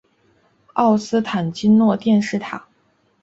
奥斯坦金诺电视塔。